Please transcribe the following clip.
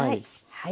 はい。